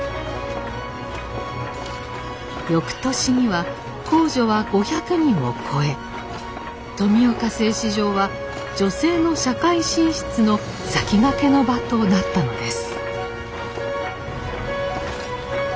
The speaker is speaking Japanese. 翌年には工女は５００人を超え富岡製糸場は女性の社会進出の先駆けの場となったのです。